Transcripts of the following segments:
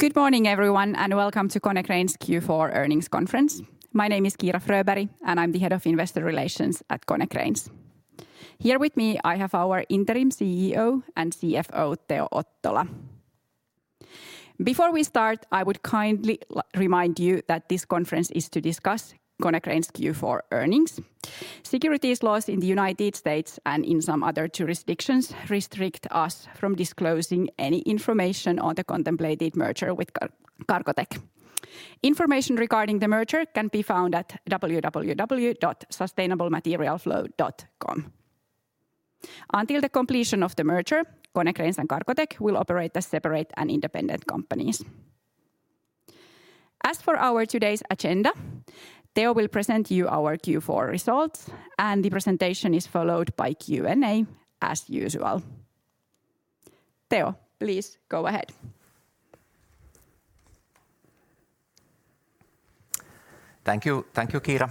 Good morning everyone, and welcome to Konecranes Q4 earnings conference. My name is Kiira Fröberg, and I'm the Head of Investor Relations at Konecranes. Here with me, I have our Interim CEO and CFO, Teo Ottola. Before we start, I would kindly remind you that this conference is to discuss Konecranes Q4 earnings. Securities laws in the United States and in some other jurisdictions restrict us from disclosing any information on the contemplated merger with Cargotec. Information regarding the merger can be found at sustainablematerialflow.com. Until the completion of the merger, Konecranes and Cargotec will operate as separate and independent companies. As for today's agenda, Teo will present you our Q4 results, and the presentation is followed by Q&A as usual. Teo, please go ahead. Thank you. Thank you, Kiira.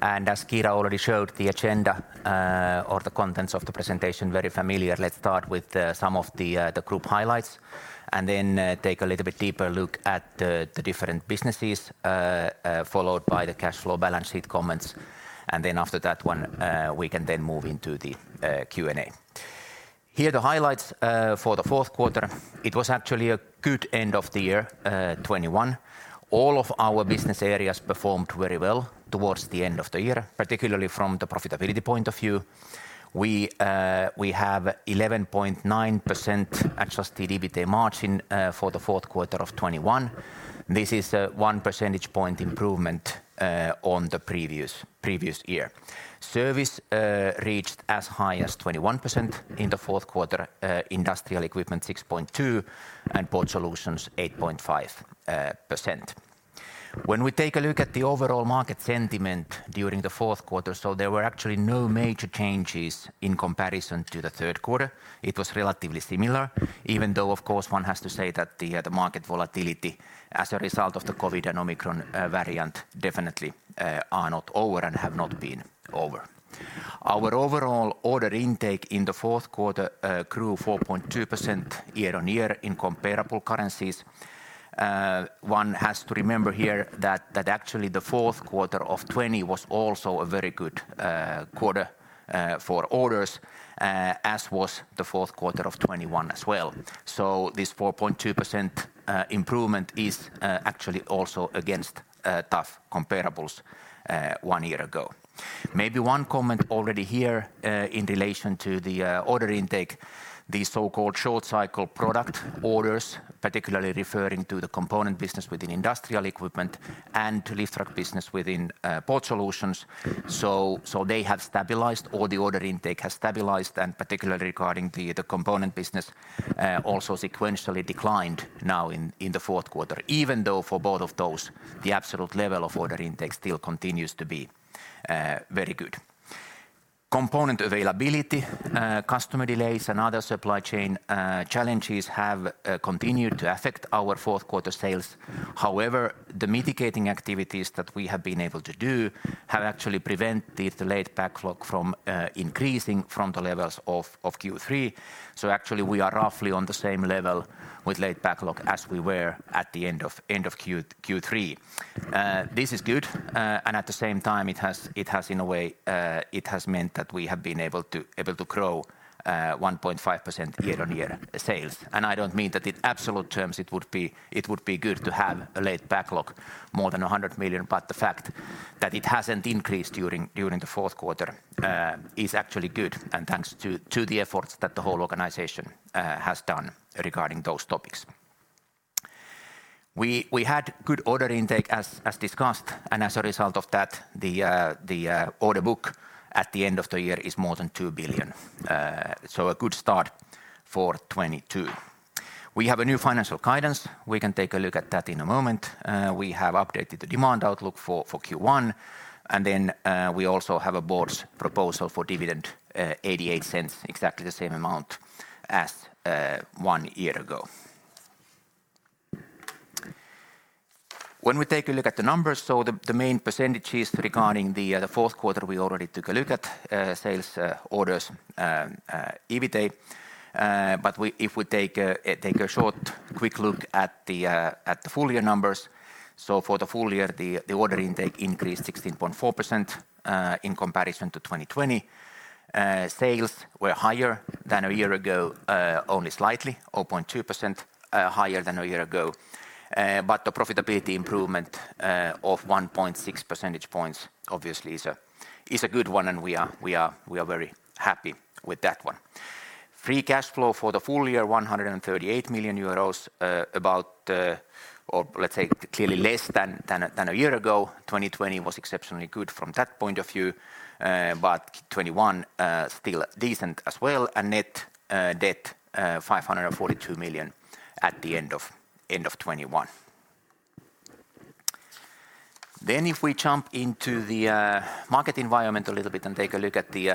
And as Kiira already showed, the agenda or the contents of the presentation, very familiar. Let's start with some of the group highlights, and then take a little bit deeper look at the different businesses, followed by the cash flow balance sheet comments. Then after that, we can move into the Q&A. Here, the highlights for the fourth quarter, it was actually a good end of the year 2021. All of our business areas performed very well towards the end of the year, particularly from the profitability point of view. We have 11.9% adjusted EBITA margin for the fourth quarter of 2021. This is a one percentage point improvement on the previous year. Service reached as high as 21% in the fourth quarter. Industrial equipment 6.2%, and Port Solutions 8.5%. When we take a look at the overall market sentiment during the fourth quarter, there were actually no major changes in comparison to the third quarter. It was relatively similar, even though, of course, one has to say that the market volatility as a result of the COVID and Omicron variant definitely are not over and have not been over. Our overall order intake in the fourth quarter grew 4.2% year-on-year in comparable currencies. One has to remember here that actually the fourth quarter of 2020 was also a very good quarter for orders, as was the fourth quarter of 2021 as well. This 4.2% improvement is actually also against tough comparables one year ago. Maybe one comment already here in relation to the order intake, the so-called short cycle product orders, particularly referring to the component business within Industrial Equipment and to lift truck business within Port Solutions. They have stabilized, or the order intake has stabilized, and particularly regarding the component business, also sequentially declined now in the fourth quarter, even though for both of those, the absolute level of order intake still continues to be very good. Component availability, customer delays, and other supply chain challenges have continued to affect our fourth quarter sales. However, the mitigating activities that we have been able to do have actually prevented the late backlog from increasing from the levels of Q3. Actually we are roughly on the same level with late backlog as we were at the end of Q3. This is good, and at the same time it has in a way it has meant that we have been able to grow 1.5% year-on-year sales. I don't mean that in absolute terms it would be good to have a late backlog more than 100 million, but the fact that it hasn't increased during the fourth quarter is actually good and thanks to the efforts that the whole organization has done regarding those topics. We had good order intake, as discussed, and as a result of that, the order book at the end of the year is more than 2 billion. A good start for 2022. We have a new financial guidance. We can take a look at that in a moment. We have updated the demand outlook for Q1, and then we also have a Board's proposal for dividend, 0.88, exactly the same amount as one year ago. When we take a look at the numbers, the main percentages regarding the fourth quarter, we already took a look at sales, orders, EBITA. If we take a short, quick look at the full year numbers, for the full year, the order intake increased 16.4% in comparison to 2020. Sales were higher than a year ago, only slightly, 0.2% higher than a year ago. The profitability improvement of 1.6 percentage points obviously is a good one, and we are very happy with that one. Free cash flow for the full year, 138 million euros, about, or let's say clearly less than a year ago. 2020 was exceptionally good from that point of view, but 2021 still decent as well. Net debt 542 million at the end of 2021. If we jump into the market environment a little bit and take a look at the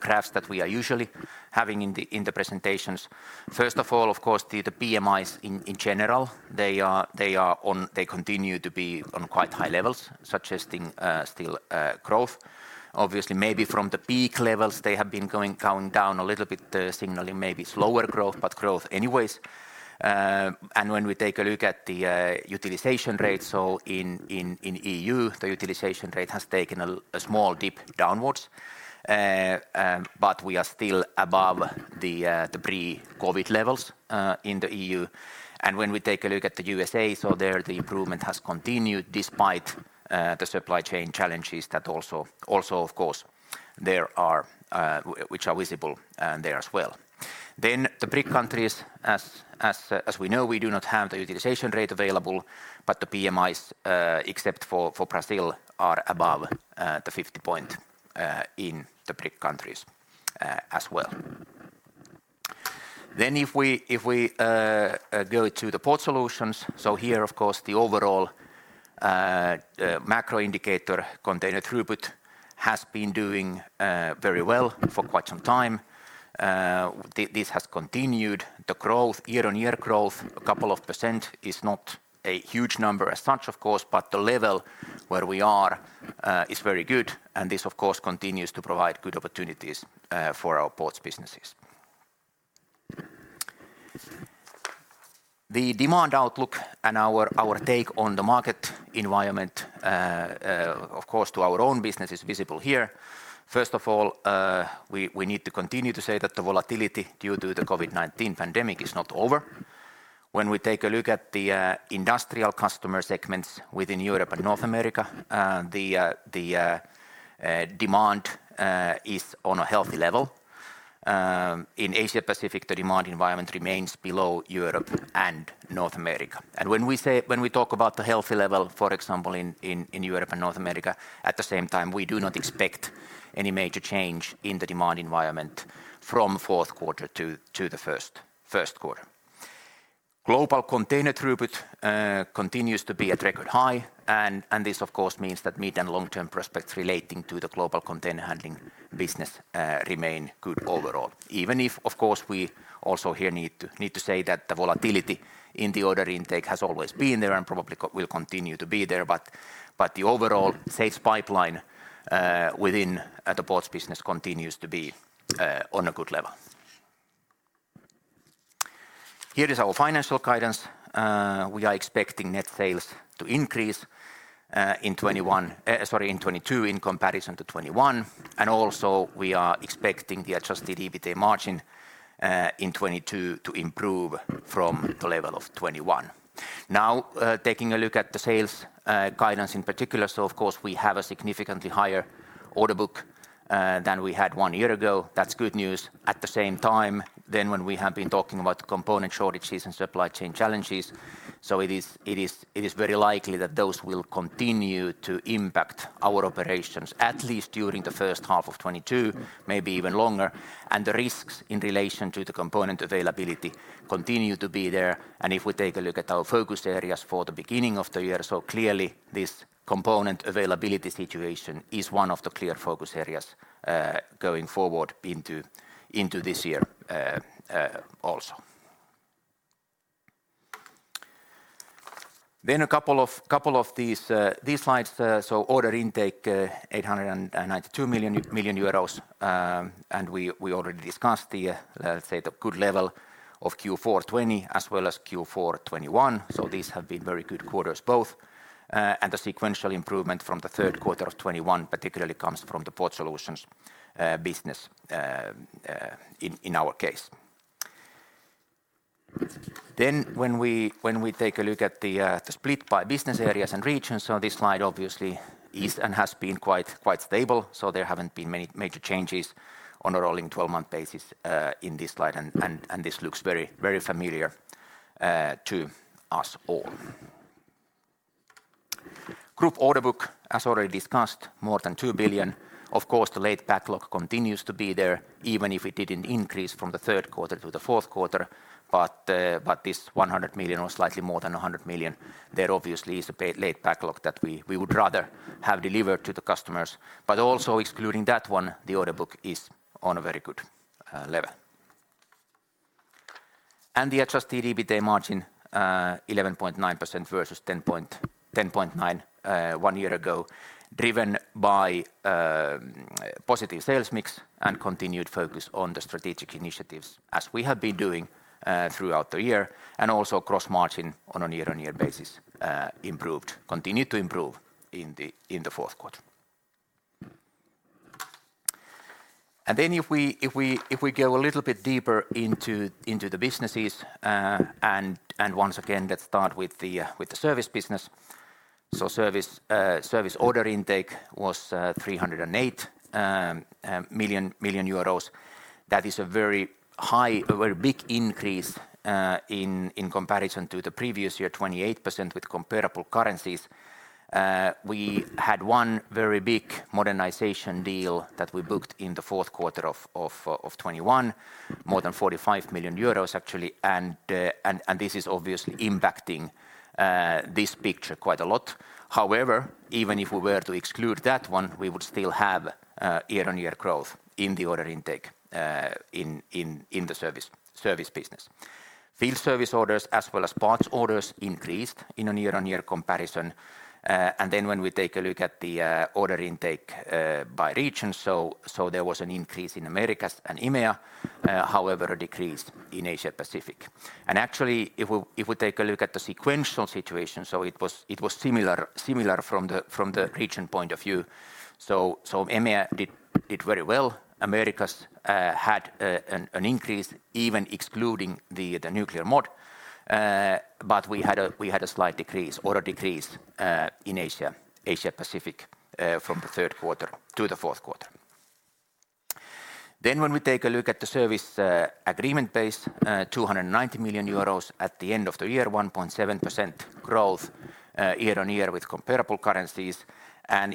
graphs that we are usually having in the presentations. First of all, of course, the PMIs in general, they are on... They continue to be on quite high levels, suggesting still growth. Obviously, maybe from the peak levels they have been going down a little bit, signaling maybe slower growth, but growth anyways. When we take a look at the utilization rates, so in EU, the utilization rate has taken a small dip downwards, but we are still above the pre-COVID levels in the EU. When we take a look at the USA, so there the improvement has continued despite the supply chain challenges that also of course there are which are visible there as well. The BRIC countries, as we know, we do not have the utilization rate available, but the PMIs, except for Brazil, are above the 50-point in the BRIC countries, as well. If we go to the Port Solutions, so here, of course, the overall macro indicator container throughput has been doing very well for quite some time. This has continued. The growth, year-on-year growth, a couple of percent is not a huge number as such, of course, but the level where we are is very good. And this, of course, continues to provide good opportunities for our ports businesses. The demand outlook and our take on the market environment, of course, to our own business is visible here. First of all, we need to continue to say that the volatility due to the COVID-19 pandemic is not over. When we take a look at the industrial customer segments within Europe and North America, the demand is on a healthy level. In Asia-Pacific, the demand environment remains below Europe and North America. When we talk about the healthy level, for example, in Europe and North America, at the same time, we do not expect any major change in the demand environment from fourth quarter to the first quarter. Global container throughput continues to be at record high, and this of course means that mid-term and long-term prospects relating to the global container handling business remain good overall. Even if, of course, we also here need to say that the volatility in the order intake has always been there and probably will continue to be there, but the overall sales pipeline within the ports business continues to be on a good level. Here is our financial guidance. We are expecting net sales to increase in 2022 in comparison to 2021. We are expecting the adjusted EBITA margin in 2022 to improve from the level of 2021. Now, taking a look at the sales guidance in particular, so of course we have a significantly higher order book than we had one year ago. That's good news. At the same time, when we have been talking about component shortages and supply chain challenges, it is very likely that those will continue to impact our operations at least during the first half of 2022, maybe even longer. The risks in relation to the component availability continue to be there. If we take a look at our focus areas for the beginning of the year, clearly this component availability situation is one of the clear focus areas, going forward into this year, also. A couple of these slides. Order intake 892 million euros, and we already discussed the, let's say, the good level of Q4 2020 as well as Q4 2021. These have been very good quarters both. The sequential improvement from the third quarter of 2021 particularly comes from the Port Solutions business in our case. When we take a look at the split by business areas and regions, this slide obviously is and has been quite stable. There haven't been many major changes on a rolling 12-month basis in this slide and this looks very familiar to us all. Group order book, as already discussed, more than 2 billion. Of course, the late backlog continues to be there, even if it didn't increase from the third quarter to the fourth quarter. This 100 million or slightly more than 100 million, there obviously is a late backlog that we would rather have delivered to the customers. Also excluding that one, the order book is on a very good level. The adjusted EBITA margin 11.9% versus 10.9% one year ago, driven by positive sales mix and continued focus on the strategic initiatives as we have been doing throughout the year. Also gross margin on a year-on-year basis improved, continued to improve in the fourth quarter. Then if we go a little bit deeper into the businesses and once again, let's start with the service business. So service order intake was 308 million euros. That is a very high, a very big increase in comparison to the previous year, 28% with comparable currencies. We had one very big modernization deal that we booked in the fourth quarter of 2021, more than 45 million euros actually. This is obviously impacting this picture quite a lot. However, even if we were to exclude that one, we would still have year-on-year growth in the order intake in the service business. Field service orders as well as parts orders increased in a year-on-year comparison. When we take a look at the order intake by region, there was an increase in Americas and EMEA, however a decrease in Asia-Pacific. Actually, if we take a look at the sequential situation, it was similar from the region point of view. EMEA did very well. Americas had an increase even excluding the nuclear modernization. We had a slight decrease or a decrease in Asia-Pacific from the third quarter to the fourth quarter. When we take a look at the service agreement base, 290 million euros at the end of the year, 1.7% growth year-on-year with comparable currencies.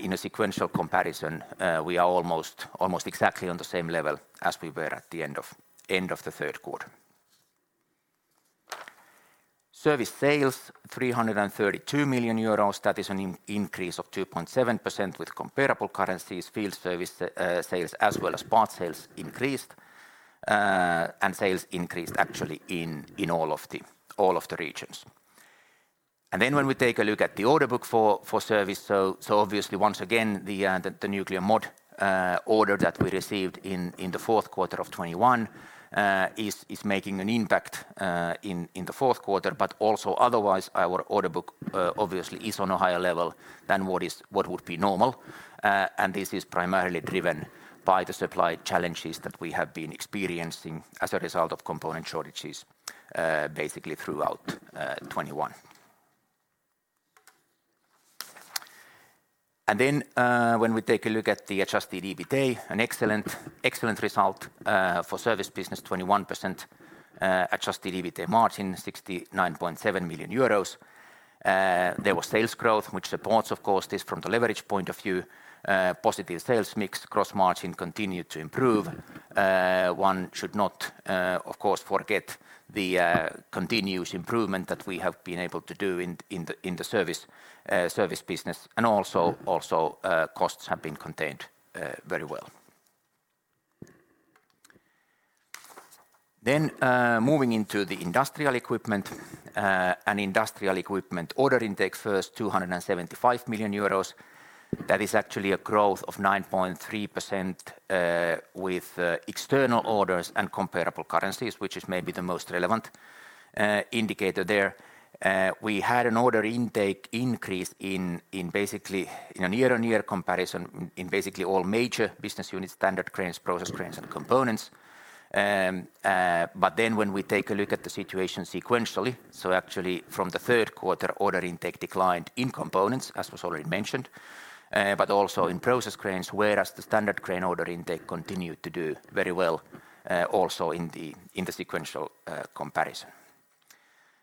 In a sequential comparison, we are almost exactly on the same level as we were at the end of the third quarter. Service sales, 332 million euros. That is an increase of 2.7% with comparable currencies. Field service sales as well as parts sales increased. Sales increased actually in all of the regions. When we take a look at the order book for service, obviously once again the nuclear modernization order that we received in the fourth quarter of 2021 is making an impact in the fourth quarter. Also otherwise our order book obviously is on a higher level than what would be normal. This is primarily driven by the supply challenges that we have been experiencing as a result of component shortages basically throughout 2021. When we take a look at the adjusted EBITA, an excellent result for service business, 21% adjusted EBITA margin, 69.7 million euros. There was sales growth, which supports of course this from the leverage point of view. Positive sales mix, gross margin continued to improve. One should not, of course, forget the continuous improvement that we have been able to do in the service business. Also, costs have been contained very well. Moving into the industrial equipment order intake first, 275 million euros. That is actually a growth of 9.3% with external orders and comparable currencies, which is maybe the most relevant indicator there. We had an order intake increase in basically a year-on-year comparison in basically all major business units, standard cranes, process cranes and components. When we take a look at the situation sequentially, so actually from the third quarter, order intake declined in components as was already mentioned, but also in process cranes, whereas the standard crane order intake continued to do very well, also in the sequential comparison.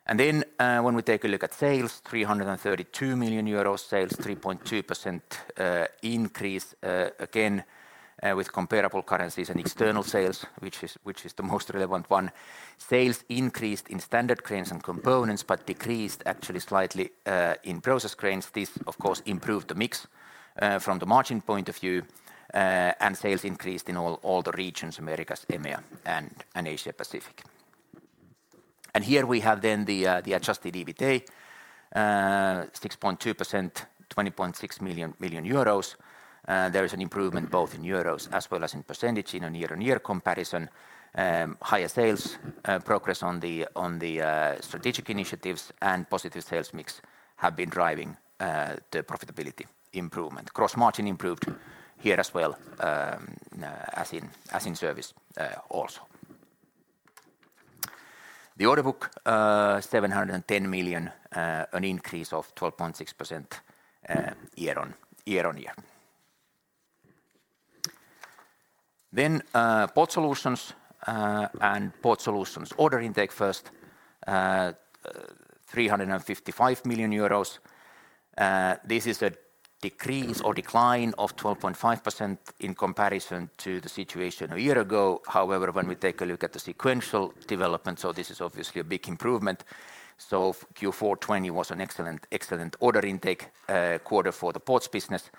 When we take a look at sales, 332 million euros sales, 3.2% increase, again, with comparable currencies and external sales, which is the most relevant one. Sales increased in standard cranes and components, but decreased actually slightly in process cranes. This of course improved the mix from the margin point of view. Sales increased in all the regions, Americas, EMEA and Asia-Pacific. Here we have the adjusted EBITA, 6.2%, 20.6 million euros. There is an improvement both in euros as well as in percentage in a year-on-year comparison. Higher sales, progress on the strategic initiatives and positive sales mix have been driving the profitability improvement. Gross margin improved here as well, as in service also. The order book, 710 million, an increase of 12.6% year-on-year. Port Solutions order intake first, 355 million euros. This is a decrease or decline of 12.5% in comparison to the situation a year ago. However, when we take a look at the sequential development, this is obviously a big improvement. Q4 2020 was an excellent order intake quarter for the ports business.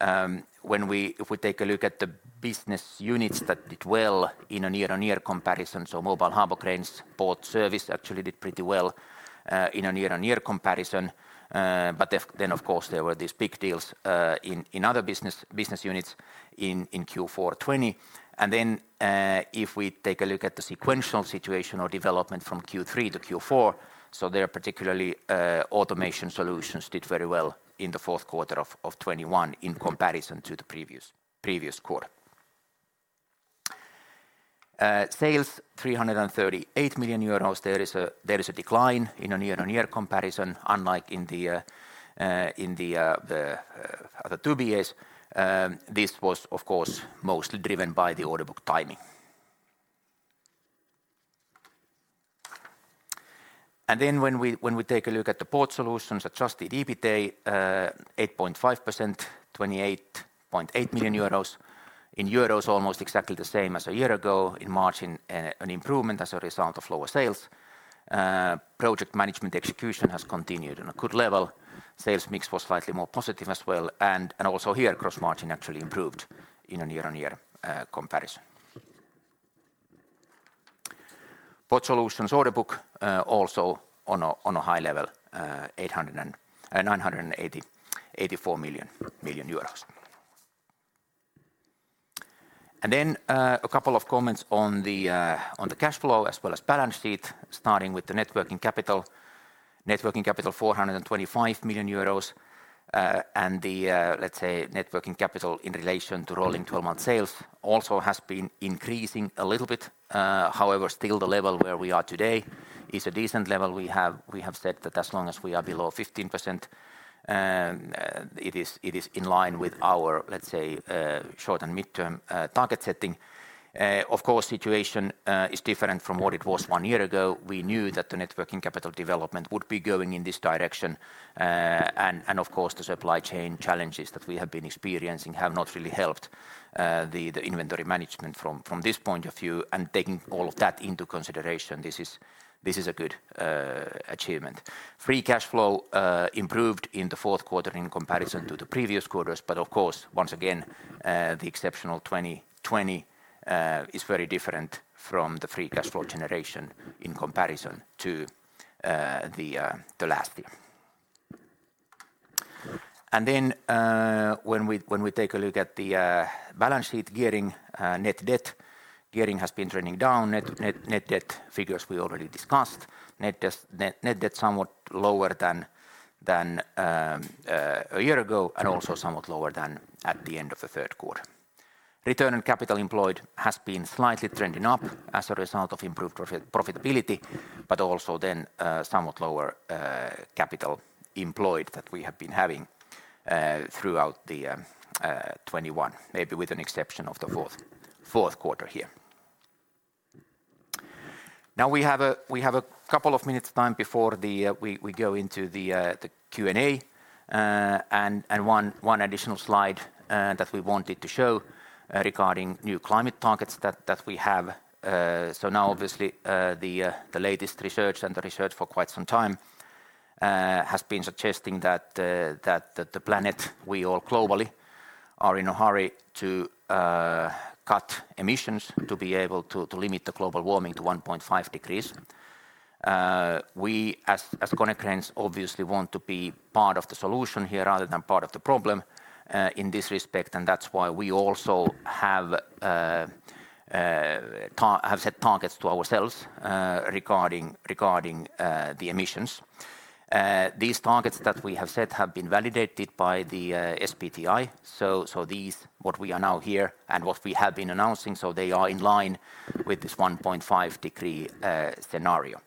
If we take a look at the business units that did well in a year-on-year comparison, Mobile Harbor Cranes, Port Service actually did pretty well in a year-on-year comparison. Of course there were these big deals in other business units in Q4 2020. If we take a look at the sequential situation or development from Q3-Q4, there particularly automation solutions did very well in the fourth quarter of 2021 in comparison to the previous quarter. Sales 338 million euros. There is a decline in a year-on-year comparison, unlike in the two BAs. This was of course mostly driven by the order book timing. When we take a look at the Port Solutions adjusted EBITA, 8.5%, 28.8 million euros. In euros, almost exactly the same as a year ago. In margin, an improvement as a result of lower sales. Project management execution has continued on a good level. Sales mix was slightly more positive as well, and also here gross margin actually improved in a year-on-year comparison. Port Solutions order book also on a high level, 984 million euros. A couple of comments on the cash flow as well as balance sheet, starting with the net working capital. Net working capital 425 million euros, and the, let's say, net working capital in relation to rolling 12-month sales also has been increasing a little bit. However, still the level where we are today is a decent level. We have said that as long as we are below 15%, it is in line with our, let's say, short and midterm target setting. Of course, situation is different from what it was one year ago. We knew that the net working capital development would be going in this direction. Of course, the supply chain challenges that we have been experiencing have not really helped the inflationary management from this point of view. Taking all of that into consideration, this is a good achievement. Free cash flow improved in the fourth quarter in comparison to the previous quarters, but of course, once again, the exceptional 2020 is very different from the free cash flow generation in comparison to the last year. When we take a look at the balance sheet gearing, net debt gearing has been trending down. Net debt figures we already discussed. Net debt somewhat lower than a year ago and also somewhat lower than at the end of the third quarter. Return on capital employed has been slightly trending up as a result of improved profitability, but also then somewhat lower capital employed that we have been having throughout 2021, maybe with an exception of the fourth quarter here. Now we have a couple of minutes time before we go into the Q&A. One additional slide that we wanted to show regarding new climate targets that we have. Now obviously the latest research and the research for quite some time has been suggesting that the planet we all globally are in a hurry to cut emissions to be able to limit the global warming to 1.5 degrees. We as Konecranes obviously want to be part of the solution here rather than part of the problem in this respect, and that's why we also have set targets to ourselves regarding the emissions. These targets that we have set have been validated by the SBTi. These, what we are now here and what we have been announcing, are in line with this 1.5-degree scenario.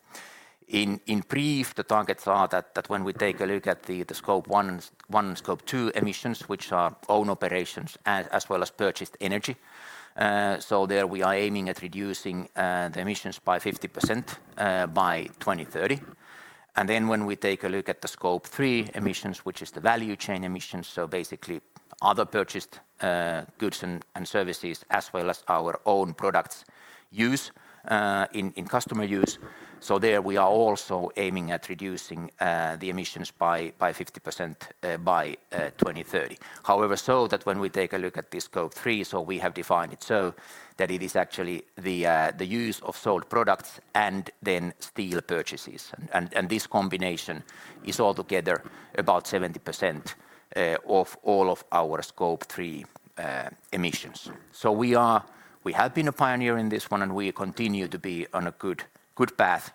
In brief, the targets are that when we take a look at the scope one and scope two emissions, which are own operations as well as purchased energy, so there we are aiming at reducing the emissions by 50% by 2030. When we take a look at the Scope 3 emissions, which is the value chain emissions, so basically other purchased goods and services as well as our own products use in customer use. There we are also aiming at reducing the emissions by 50% by 2030. However, so that when we take a look at the Scope 3, so we have defined it so that it is actually the use of sold products and then steel purchases. This combination is altogether about 70% of all of our Scope 3 emissions. We have been a pioneer in this one, and we continue to be on a good path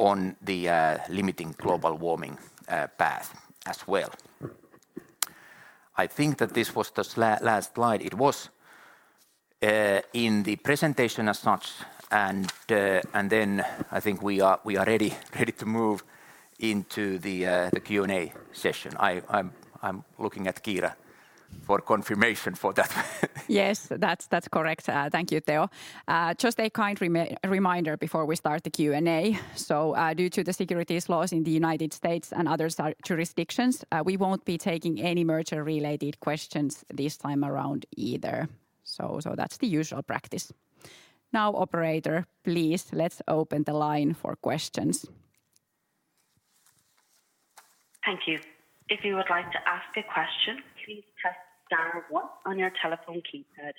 on the limiting global warming path as well. I think that this was the last slide. It was in the presentation as such, and then I think we are ready to move into the Q&A session. I'm looking at Kiira for confirmation for that. Yes, that's correct. Thank you, Teo. Just a kind reminder before we start the Q&A. Due to the securities laws in the United States and other jurisdictions, we won't be taking any merger-related questions this time around either. That's the usual practice. Now, operator, please, let's open the line for questions. Thank you. If you would like to ask a question, please press star one on your telephone keypad.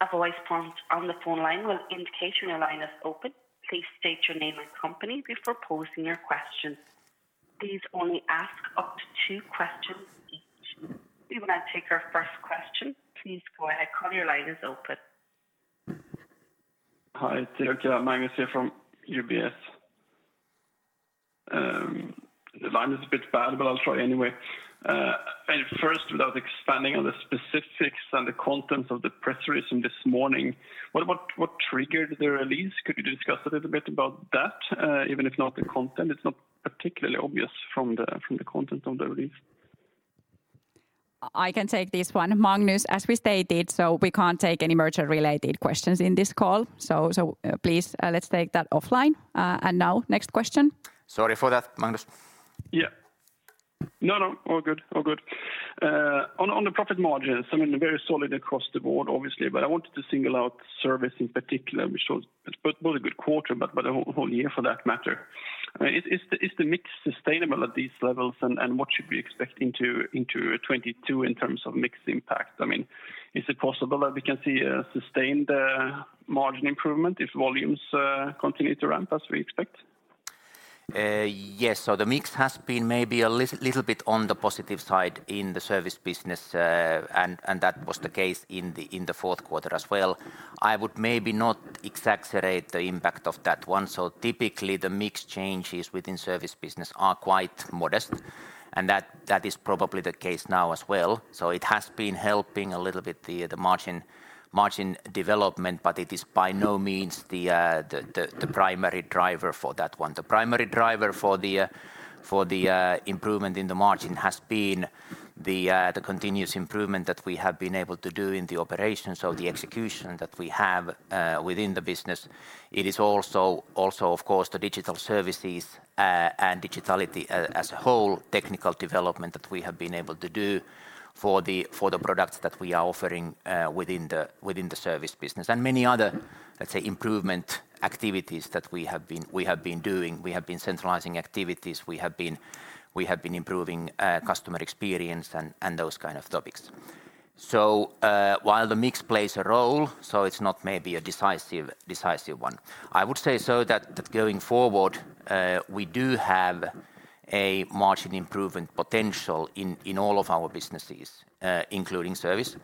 A voice prompt on the phone line will indicate when your line is open. Please state your name and company before posing your question. Please only ask up to two questions each. We will now take our first question. Please go ahead. Caller, your line is open. Hi, Teo. Magnus here from UBS. The line is a bit bad, but I'll try anyway. First, without expanding on the specifics and the contents of the press release from this morning, what triggered the release? Could you discuss a little bit about that, even if not the content? It's not particularly obvious from the content of the release. I can take this one, Magnus, as we stated, so we can't take any merger related questions in this call. Please, let's take that offline. Now next question. Sorry for that, Magnus. Yeah. No. All good. On the profit margins, I mean, very solid across the board obviously, but I wanted to single out service in particular, which was both a good quarter, but a whole year for that matter. I mean, is the mix sustainable at these levels? What should we expect into 2022 in terms of mix impact? I mean, is it possible that we can see a sustained margin improvement if volumes continue to ramp as we expect? The mix has been maybe a little bit on the positive side in the service business. That was the case in the fourth quarter as well. I would maybe not exaggerate the impact of that one. Typically the mix changes within service business are quite modest, and that is probably the case now as well. It has been helping a little bit the margin development, but it is by no means the primary driver for that one. The primary driver for the improvement in the margin has been the continuous improvement that we have been able to do in the operations of the execution that we have within the business. It is also, of course, the digital services and digitality as a whole technical development that we have been able to do for the products that we are offering within the service business. Many other, let's say, improvement activities that we have been doing. We have been centralizing activities. We have been improving customer experience and those kind of topics. While the mix plays a role, it's not maybe a decisive one. I would say so that going forward we do have a margin improvement potential in all of our businesses including service.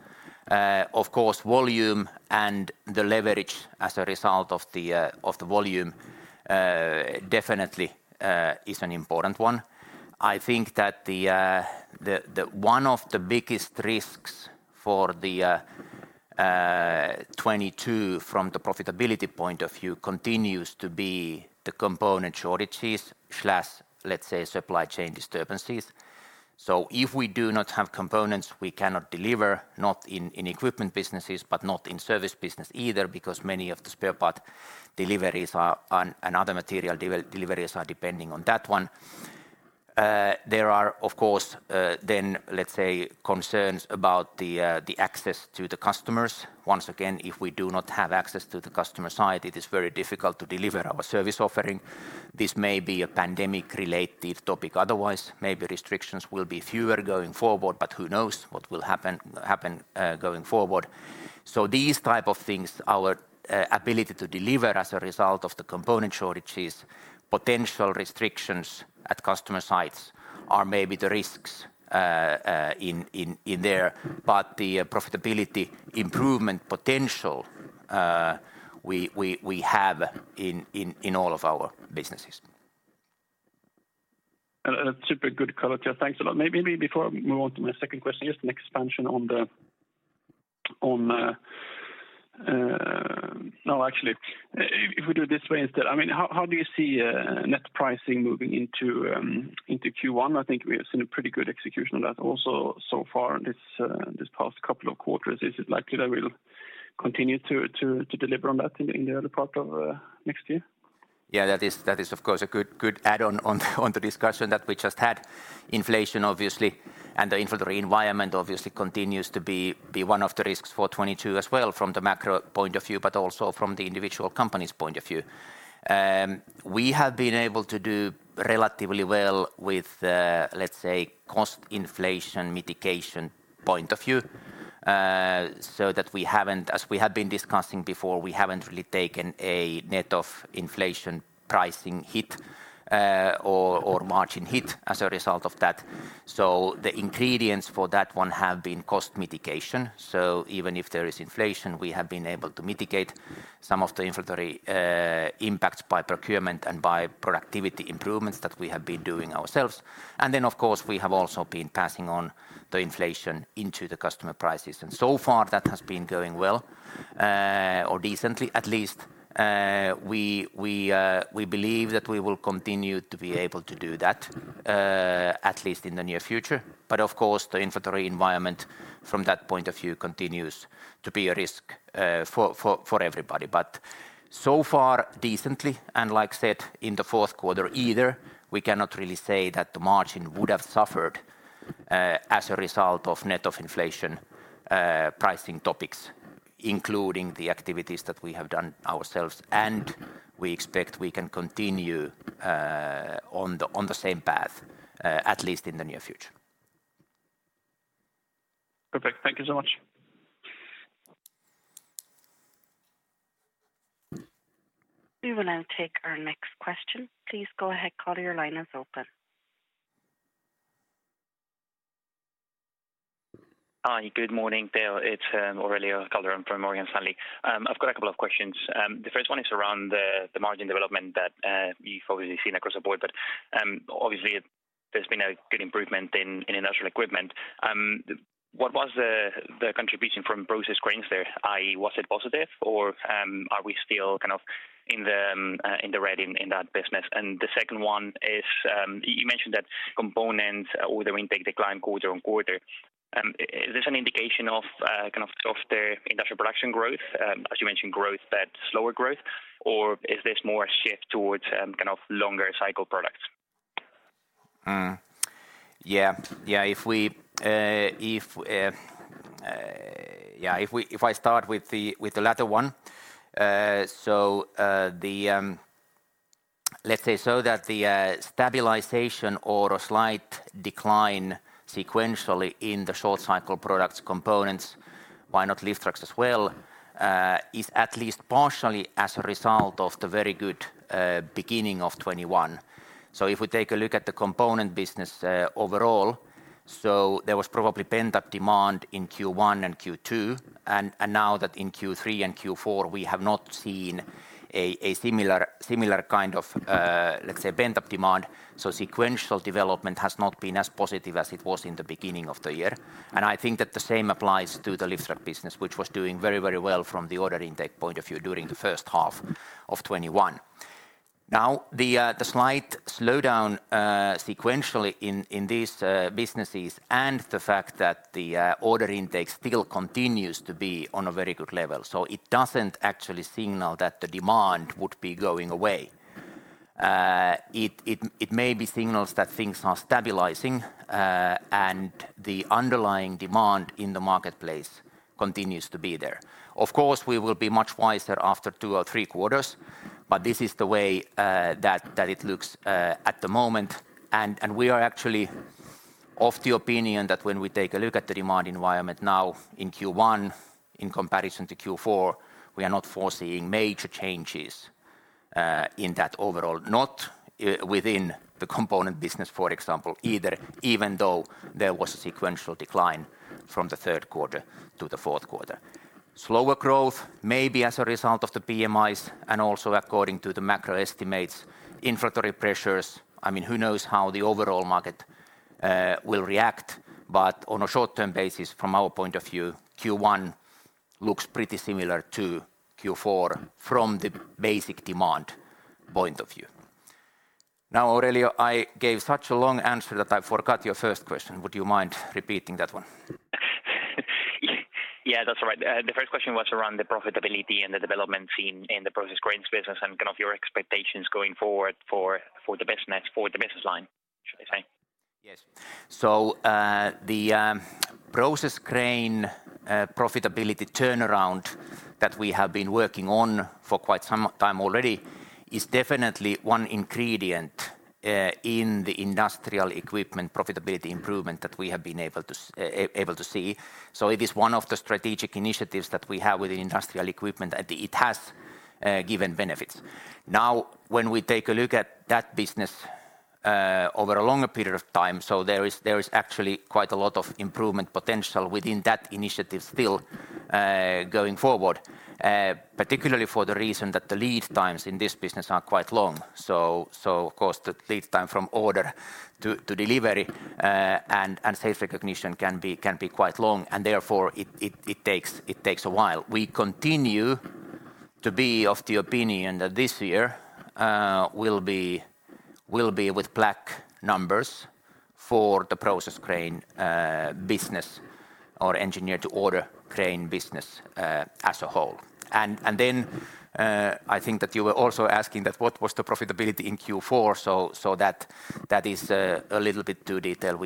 Of course, volume and the leverage as a result of the volume definitely is an important one. I think that one of the biggest risks for 2022 from the profitability point of view continues to be the component shortages slash, let's say, supply chain disturbances. If we do not have components, we cannot deliver, not in equipment businesses, but not in service business either because many of the spare part deliveries are on another material deliveries are depending on that one. There are of course then let's say concerns about the access to the customers. Once again, if we do not have access to the customer side, it is very difficult to deliver our service offering. This may be a pandemic-related topic otherwise. Maybe restrictions will be fewer going forward, but who knows what will happen going forward. These type of things, our ability to deliver as a result of the component shortages, potential restrictions at customer sites are maybe the risks in there. The profitability improvement potential we have in all of our businesses. A super good quarter. Thanks a lot. Maybe before I move on to my second question, no, actually, if we do it this way instead, I mean, how do you see net pricing moving into Q1? I think we have seen a pretty good execution of that also so far this past couple of quarters. Is it likely that we'll continue to deliver on that in the early part of next year? Yeah, that is, of course, a good add-on to the discussion that we just had. Inflation obviously, and the inflationary environment obviously continues to be one of the risks for 2022 as well from the macro point of view, but also from the individual company's point of view. We have been able to do relatively well with the, let's say, cost inflation mitigation point of view, so that we haven't really taken a net inflation pricing hit, as we have been discussing before, or margin hit as a result of that. The ingredients for that one have been cost mitigation. Even if there is inflation, we have been able to mitigate some of the inflationary impacts by procurement and by productivity improvements that we have been doing ourselves. Then of course, we have also been passing on the inflation into the customer prices. So far that has been going well, or decently at least. We believe that we will continue to be able to do that, at least in the near future. Of course, the inflationary environment from that point of view continues to be a risk, for everybody. So far decently, and like I said, in the fourth quarter, we cannot really say that the margin would have suffered, as a result of net of inflation, pricing topics, including the activities that we have done ourselves. We expect we can continue, on the same path, at least in the near future. Perfect. Thank you so much. We will now take our next question. Please go ahead. Caller, your line is open. Hi, good morning Teo, it's Aurelio Calderon from Morgan Stanley. I've got a couple of questions. The first one is around the margin development that you've obviously seen across the board, but obviously there's been a good improvement in industrial equipment. What was the contribution from Process Cranes there? I.e., was it positive or are we still kind of in the red in that business. The second one is, you mentioned that components order intake decline quarter-on-quarter. Is this an indication of kind of softer industrial production growth? As you mentioned growth, that slower growth, or is this more a shift towards kind of longer cycle products? If I start with the latter one, the stabilization or a slight decline sequentially in the short cycle products components, why not lift trucks as well, is at least partially as a result of the very good beginning of 2021. If we take a look at the component business overall, there was probably pent-up demand in Q1 and Q2. Now that in Q3 and Q4 we have not seen a similar kind of pent-up demand, sequential development has not been as positive as it was in the beginning of the year. I think that the same applies to the lift truck business, which was doing very, very well from the order intake point of view during the first half of 2021. Now, the slight slowdown sequentially in these businesses and the fact that the order intake still continues to be on a very good level. It doesn't actually signal that the demand would be going away. It may be signals that things are stabilizing, and the underlying demand in the marketplace continues to be there. Of course, we will be much wiser after two or three quarters, but this is the way that it looks at the moment. We are actually of the opinion that when we take a look at the demand environment now in Q1 in comparison to Q4, we are not foreseeing major changes in that overall. Not within the component business, for example, either, even though there was a sequential decline from the third quarter to the fourth quarter. Slower growth maybe as a result of the PMIs and also according to the macro estimates, inflationary pressures. I mean, who knows how the overall market will react. On a short-term basis from our point of view, Q1 looks pretty similar to Q4 from the basic demand point of view. Now, Aurelio, I gave such a long answer that I forgot your first question. Would you mind repeating that one? Yeah, that's all right. The first question was around the profitability and the development seen in the Process Cranes business and kind of your expectations going forward for the business line, should I say. Yes, the Process Crane profitability turnaround that we have been working on for quite some time already is definitely one ingredient in the industrial equipment profitability improvement that we have been able to see. It is one of the strategic initiatives that we have with the Industrial Equipment, and it has given benefits. Now, when we take a look at that business over a longer period of time, there is actually quite a lot of improvement potential within that initiative still going forward. Particularly for the reason that the lead times in this business are quite long. Of course, the lead time from order to delivery and sales recognition can be quite long, and therefore it takes a while. We continue to be of the opinion that this year will be with black numbers for the Process Crane business or Engineer to Order crane business as a whole. I think that you were also asking that what was the profitability in Q4. That is a little bit too detailed.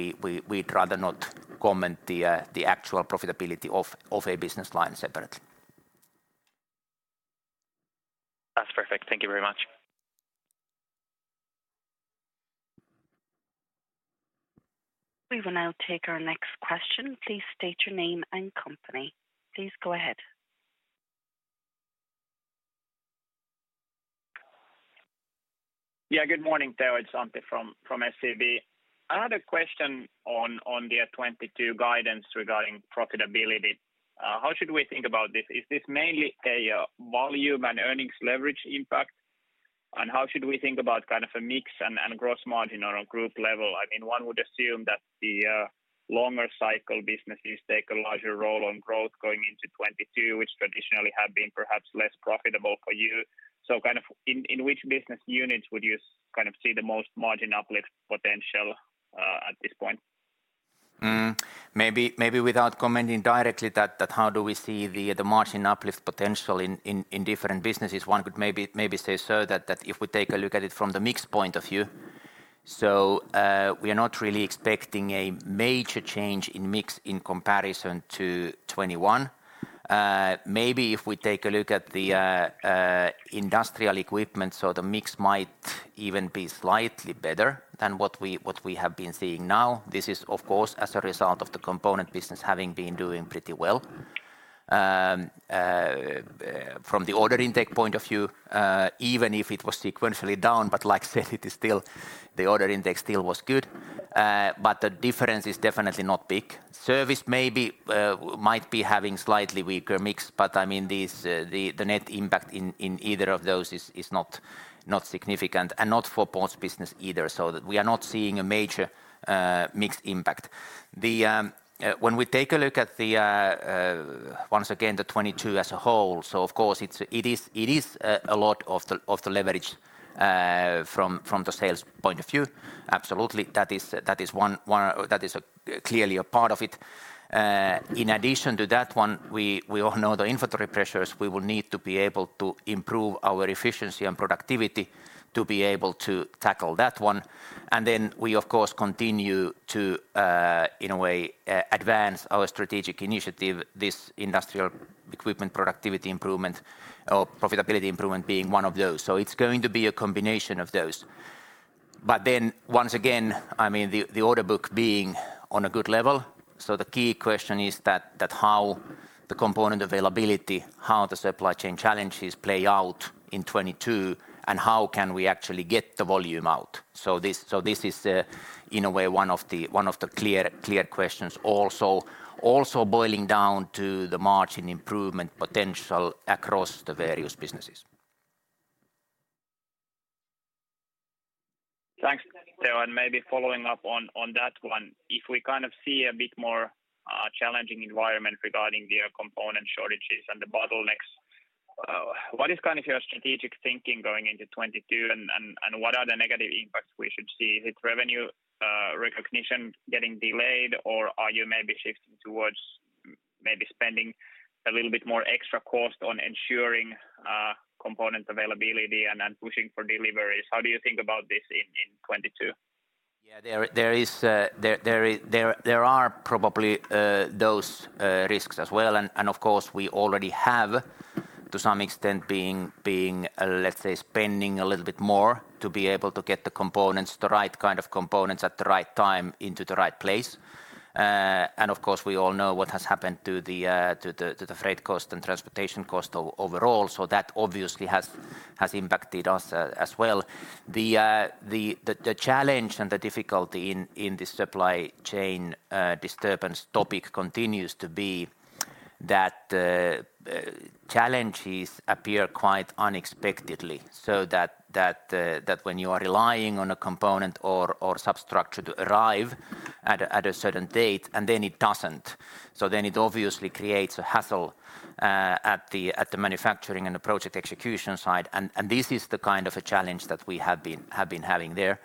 We'd rather not comment the actual profitability of a business line separately. That's perfect. Thank you very much. We will now take our next question. Please state your name and company. Please go ahead. Yeah. Good morning, Teo. It's Antti from SEB. I had a question on the 2022 guidance regarding profitability. How should we think about this? Is this mainly a volume and earnings leverage impact? And how should we think about kind of a mix and gross margin on a group level? I mean, one would assume that the longer cycle businesses take a larger role on growth going into 2022, which traditionally have been perhaps less profitable for you. Kind of in which business units would you kind of see the most margin uplift potential at this point? Maybe without commenting directly that how do we see the margin uplift potential in different businesses, one could maybe say so that if we take a look at it from the mix point of view, we are not really expecting a major change in mix in comparison to 2021. Maybe if we take a look at the industrial equipment, the mix might even be slightly better than what we have been seeing now. This is, of course, as a result of the component business having been doing pretty well. From the order intake point of view, even if it was sequentially down, but like I said, the order intake still was good. The difference is definitely not big. Service may be might be having slightly weaker mix, but I mean, the net impact in either of those is not significant, and not for ports business either. We are not seeing a major mixed impact. When we take a look at the 2022 as a whole, of course it is a lot of the leverage from the sales point of view. Absolutely. That is one that is clearly a part of it. In addition to that one, we all know the inflationary pressures, we will need to be able to improve our efficiency and productivity to be able to tackle that one. We, of course, continue to, in a way, advance our strategic initiative, this industrial equipment productivity improvement or profitability improvement being one of those. It's going to be a combination of those. Once again, I mean, the order book being on a good level, the key question is that how the component availability, how the supply chain challenges play out in 2022, and how can we actually get the volume out. This is, in a way, one of the clear questions also boiling down to the margin improvement potential across the various businesses. Thanks, Teo. Maybe following up on that one. If we kind of see a bit more challenging environment regarding the component shortages and the bottlenecks, what is kind of your strategic thinking going into 2022 and what are the negative impacts we should see? Is it revenue recognition getting delayed or are you maybe shifting towards maybe spending a little bit more extra cost on ensuring component availability and pushing for deliveries? How do you think about this in 2022? Yeah, there are probably those risks as well. Of course, we already have to some extent been spending a little bit more to be able to get the components, the right kind of components at the right time into the right place. Of course, we all know what has happened to the freight cost and transportation cost overall. That obviously has impacted us as well. The challenge and the difficulty in this supply chain disturbance topic continues to be that challenges appear quite unexpectedly so that when you are relying on a component or substructure to arrive at a certain date, and then it doesn't. It obviously creates a hassle at the manufacturing and the project execution side. This is the kind of a challenge that we have been having there.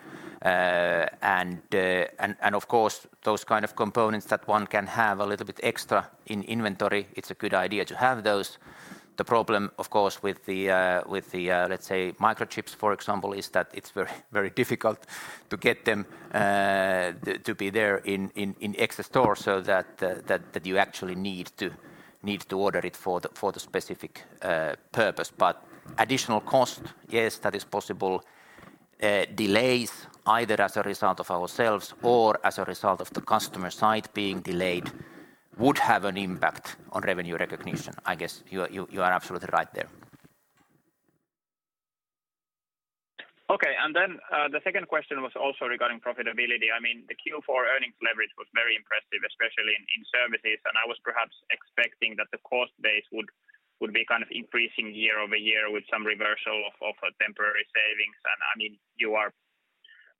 Of course, those kind of components that one can have a little bit extra inventory, it's a good idea to have those. The problem of course with the let's say microchips, for example, is that it's very difficult to get them to be there in extra stock so that you actually need to order it for the specific purpose. Additional cost, yes, that is possible. Delays either as a result of ourselves or as a result of the customer side being delayed would have an impact on revenue recognition. I guess you are absolutely right there. Okay. Then, the second question was also regarding profitability. I mean, the Q4 earnings leverage was very impressive, especially in services. I was perhaps expecting that the cost base would be kind of increasing year-over-year with some reversal of a temporary savings. I mean, you are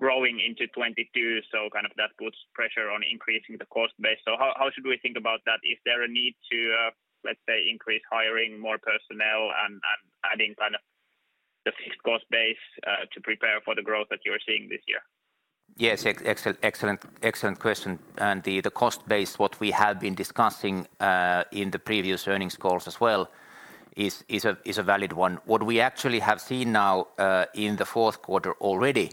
growing into 2022, so kind of that puts pressure on increasing the cost base. How should we think about that? Is there a need to, let's say increase hiring more personnel and adding kind of the fixed cost base, to prepare for the growth that you're seeing this year? Yes. Excellent question. The cost base, what we have been discussing in the previous earnings calls as well, is a valid one. What we actually have seen now in the fourth quarter already,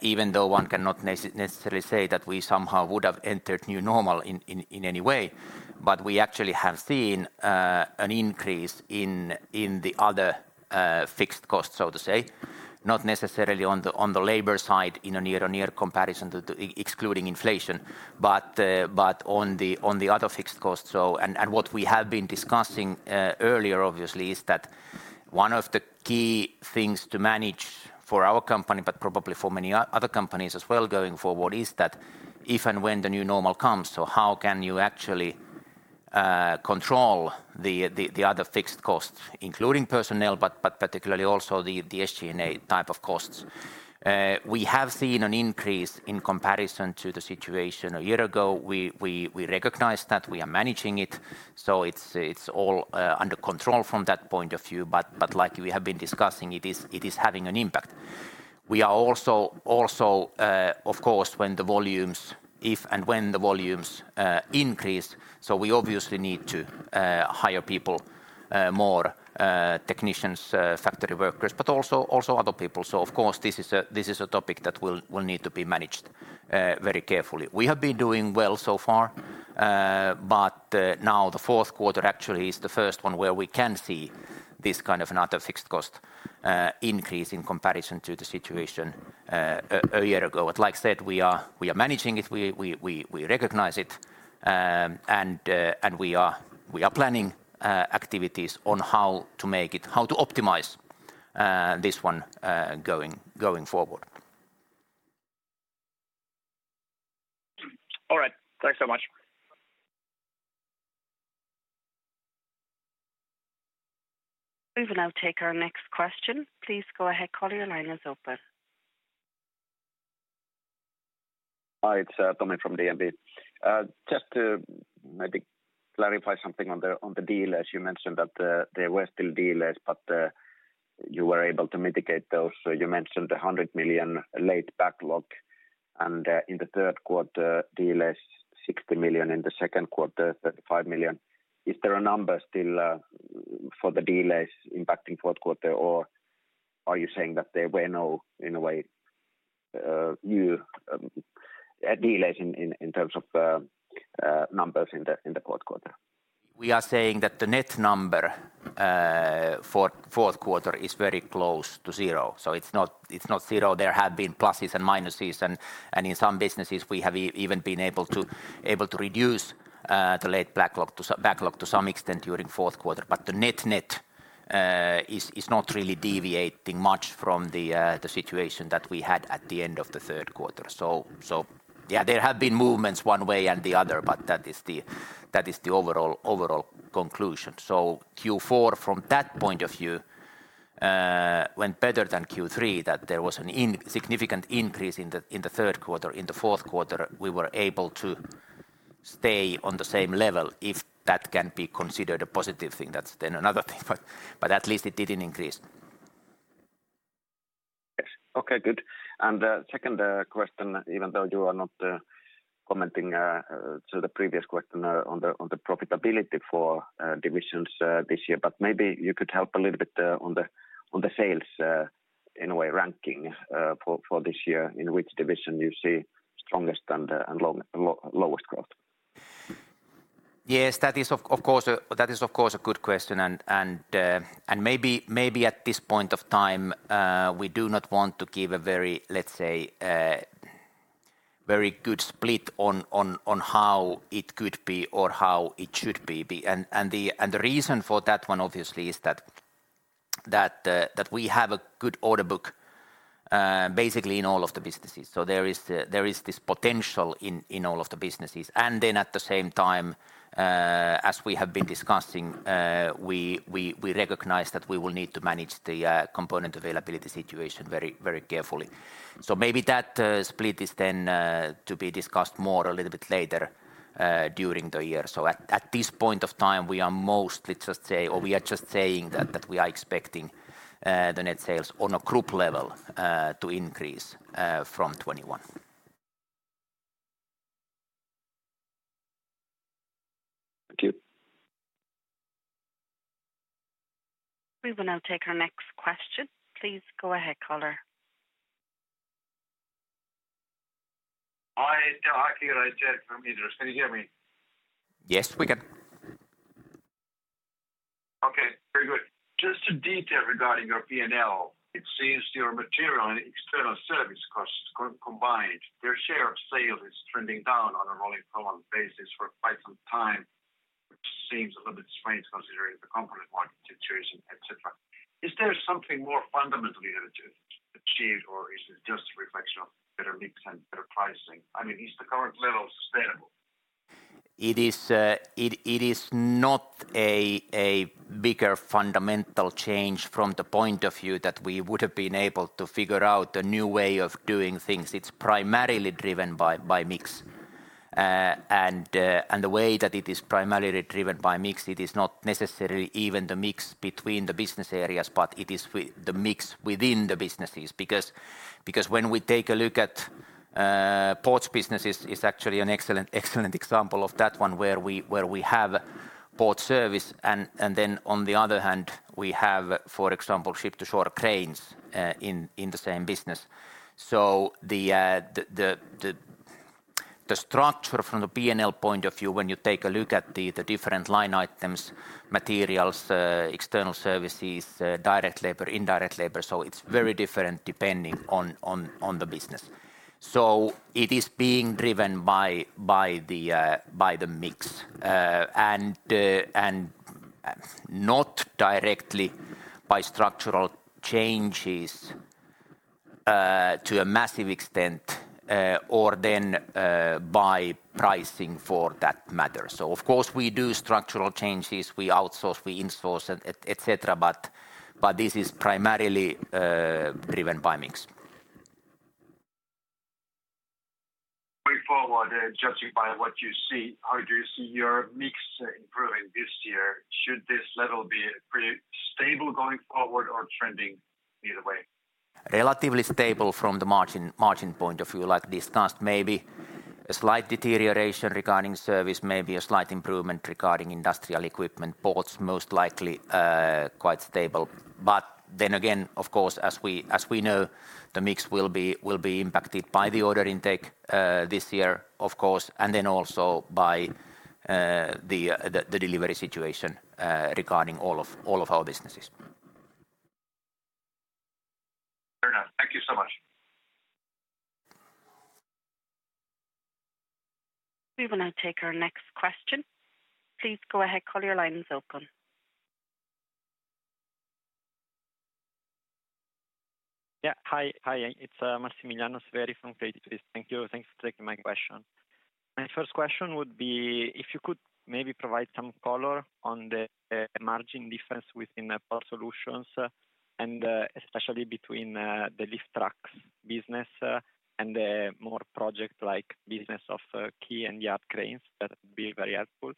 even though one cannot necessarily say that we somehow would have entered new normal in any way, but we actually have seen an increase in the other fixed costs, so to say, not necessarily on the labor side in a year-on-year comparison excluding inflation, but on the other fixed costs. What we have been discussing earlier obviously is that one of the key things to manage for our company, but probably for many other companies as well going forward, is that if and when the new normal comes, so how can you actually control the other fixed costs, including personnel, but particularly also the SG&A type of costs. We have seen an increase in comparison to the situation a year ago. We recognize that. We are managing it. It's all under control from that point of view. Like we have been discussing, it is having an impact. We are also of course when the volumes increase so we obviously need to hire more technicians factory workers but also other people. Of course this is a topic that will need to be managed very carefully. We have been doing well so far. Now the fourth quarter actually is the first one where we can see this kind of another fixed cost increase in comparison to the situation a year ago. Like I said, we are managing it. We recognize it. We are planning activities on how to make it how to optimize this one going forward. All right. Thanks so much. We will now take our next question. Please go ahead, caller. Your line is open. Hi, it's Tomi Railo from DNB. Just to maybe clarify something on the dealers. You mentioned that there were still dealers, but you were able to mitigate those. You mentioned 100 million late backlog, and in the third quarter, dealers 60 million, in the second quarter, 35 million. Is there a number still for the dealers impacting fourth quarter, or are you saying that there were no, in a way, new dealers in terms of numbers in the fourth quarter? We are saying that the net number for fourth quarter is very close to zero. It's not zero. There have been pluses and minuses and in some businesses we have even been able to reduce the order backlog to some extent during fourth quarter. The net-net is not really deviating much from the situation that we had at the end of the third quarter. Yeah, there have been movements one way and the other, but that is the overall conclusion. Q4 from that point of view went better than Q3, that there was an insignificant increase in the third quarter. In the fourth quarter, we were able to stay on the same level, if that can be considered a positive thing. That's then another thing, but at least it didn't increase. Yes. Okay, good. Second question, even though you are not commenting to the previous question on the profitability for divisions this year, but maybe you could help a little bit on the sales in a way, ranking for this year, in which division you see strongest and lowest growth? Yes. That is of course a good question. Maybe at this point of time we do not want to give a very, let's say, very good split on how it could be or how it should be. The reason for that one obviously is that we have a good order book basically in all of the businesses. There is this potential in all of the businesses. Then at the same time as we have been discussing we recognize that we will need to manage the component availability situation very carefully. Maybe that split is then to be discussed more a little bit later during the year. At this point of time, we are just saying that we are expecting the net sales on a group level to increase from 2021. Thank you. We will now take our next question. Please go ahead, caller. Hi, [inaudible] Yes, we can. Okay. Very good. Just a detail regarding your P&L. It seems your material and external service costs combined, their share of sales is trending down on a rolling 12 basis for quite some time, which seems a little bit strange considering the component market situation, et cetera. Is there something more fundamentally that you've achieved or is it just a reflection of better mix and better pricing? I mean, is the current level sustainable? It is not a bigger fundamental change from the point of view that we would've been able to figure out a new way of doing things. It's primarily driven by mix. The way that it is primarily driven by mix, it is not necessarily even the mix between the business areas, but it is the mix within the businesses. Because when we take a look at ports business is actually an excellent example of that one where we have Port Service and then on the other hand we have, for example, ship-to-shore cranes in the same business. The structure from the P&L point of view, when you take a look at the different line items, materials, external services, direct labor, indirect labor, so it's very different depending on the business. It is being driven by the mix, and not directly by structural changes to a massive extent, or then by pricing for that matter. Of course we do structural changes, we outsource, we insource and et cetera, but this is primarily driven by mix. Moving forward, judging by what you see, how do you see your mix improving this year? Should this level be pretty stable going forward or trending either way? Relatively stable from the margin point of view, like discussed, maybe a slight deterioration regarding service, maybe a slight improvement regarding industrial equipment. Ports, most likely, quite stable. Again, of course, as we know, the mix will be impacted by the order intake this year of course, and then also by the delivery situation regarding all of our businesses. We will now take our next question. Please go ahead, call your line is open. Yeah. Hi, hi. It's Massimiliano Severi from Credit Suisse. Thank you. Thanks for taking my question. My first question would be if you could maybe provide some color on the margin difference within the Port Solutions, and especially between the lift trucks business and the more project-like business of quay and yard cranes. That'd be very helpful.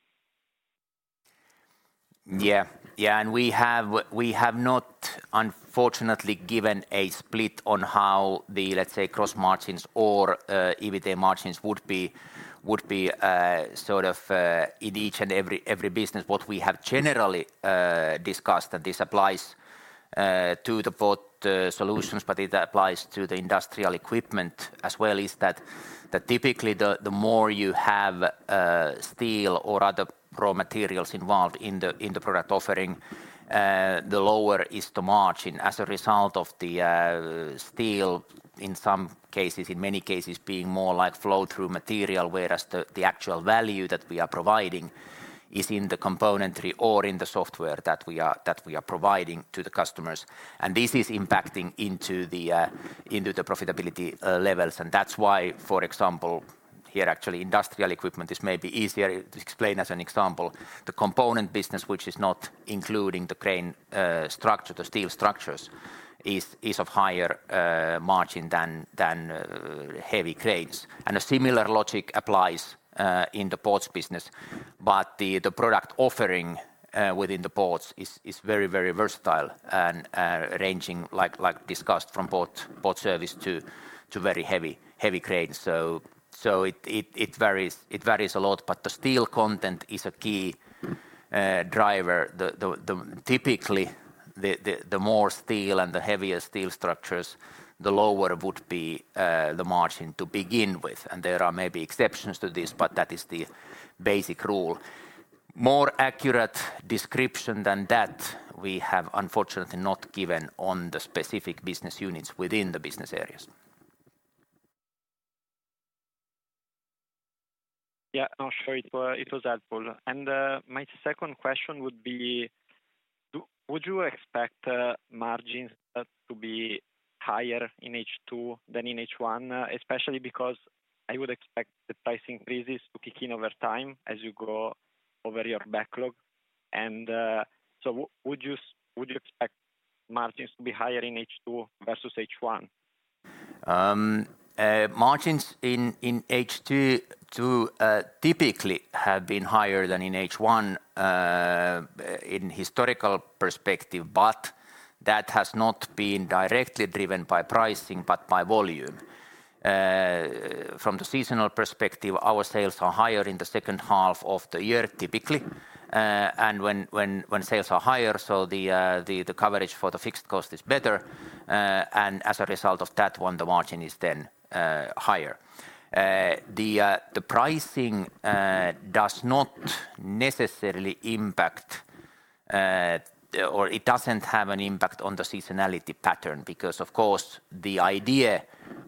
We have not, unfortunately, given a split on how the, let's say, gross margins or EBITA margins would be, sort of, in each and every business. What we have generally discussed that this applies to the Port Solutions, but it applies to the Industrial Equipment as well, is that typically the more you have steel or other raw materials involved in the product offering, the lower is the margin as a result of the steel, in some cases, in many cases, being more like flow-through material. Whereas the actual value that we are providing is in the componentry or in the software that we are providing to the customers. This is impacting into the profitability levels. That's why, for example, here actually Industrial Equipment is maybe easier to explain as an example. The component business, which is not including the crane structure, the steel structures, is of higher margin than heavy cranes. A similar logic applies in the ports business. The product offering within the ports is very versatile and ranging, like discussed, from Port Service to very heavy cranes. It varies a lot, but the steel content is a key driver. Typically, the more steel and the heavier steel structures, the lower would be the margin to begin with. There are maybe exceptions to this, but that is the basic rule. More accurate description than that we have unfortunately not given on the specific business units within the business areas. Yeah. No, sure. It was helpful. My second question would be would you expect margins to be higher in H2 than in H1, especially because I would expect the price increases to kick in over time as you go over your backlog. Would you expect margins to be higher in H2 versus H1? Margins in H2 typically have been higher than in H1 in historical perspective, but that has not been directly driven by pricing, but by volume. From the seasonal perspective, our sales are higher in the second half of the year, typically. When sales are higher, the coverage for the fixed cost is better. As a result of that one, the margin is then higher. The pricing does not necessarily impact, or it doesn't have an impact on the seasonality pattern because of course, the idea